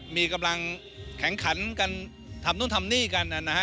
มีกำลังแข่งขันกันทำนู่นทำนี่กันนะฮะ